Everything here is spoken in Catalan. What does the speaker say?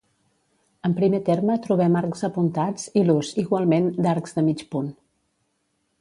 En primer terme trobem arcs apuntats i l'ús, igualment, d'arcs de mig punt.